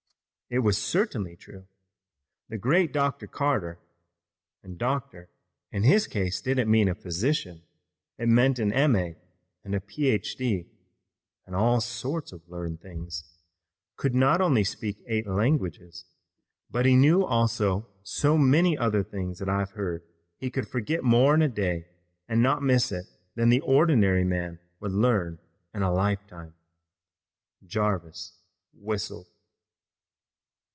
"It was certainly true. The great Dr. Cotter and 'Dr.' in his case didn't mean a physician, it meant an M. A. and a Ph. D. and all sorts of learned things could not only speak eight languages, but he knew also so many other things that I've heard he could forget more in a day and not miss it than the ordinary man would learn in a lifetime." Jarvis whistled.